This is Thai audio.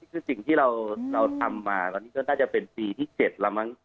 คือสิ่งที่เราทำมาตอนนี้ก็น่าจะเป็นปีที่๗แล้วมั้ง